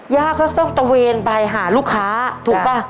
ย่าก็ต้องตะเวนไปหาลูกค้าถูกป่ะ